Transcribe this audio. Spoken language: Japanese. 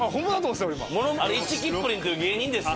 あれイチキップリンっていう芸人です。